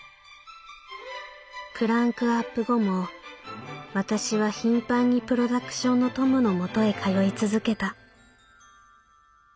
「クランクアップ後も私は頻繁にプロダクションのトムの元へ通い続けた」。